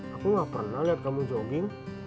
aku nggak pernah liat kamu jogging